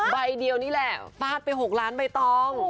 ใบเดียวนี่แหละฟาดไป๖ล้านใบตอง